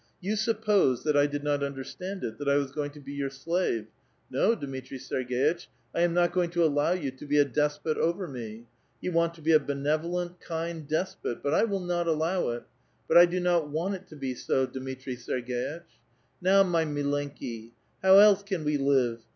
You supposed that I did not understand it ; that I was going to be your slave. No, Dmitri Serg^itch, 1 am not going to allow you to be a dosiH>t over me ! You want to be a benevolent, kind despot, but 1 will not allow it ; but I do not want it to be so, Dmitri Serg^itch ! Now, my raUenki [darling], how else can we live?